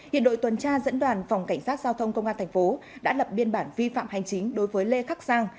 hiện đội tuần tra dẫn đoàn phòng cảnh sát giao thông công an thành phố đã lập biên bản vi phạm hành chính đối với lê khắc sang